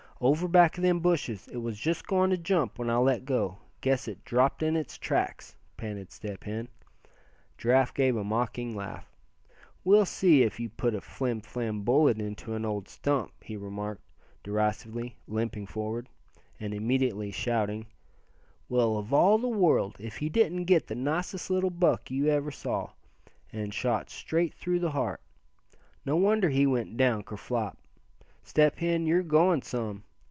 "Over back of them bushes. It was just going to jump when I let go. Guess it dropped in its tracks!" panted Step Hen. Giraffe gave a mocking laugh. "We'll soon see if you put a flim flam bullet into an old stump," he remarked, derisively, limping forward: and immediately shouting: "Well, of all the world, if he didn't get the nicest little buck you ever saw; and shot straight through the heart. No wonder he went down ker flop. Step Hen, you're going some.